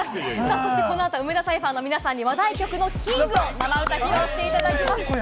この後、梅田サイファーの皆さんに話題曲の『ＫＩＮＧ』を生歌披露していただきます。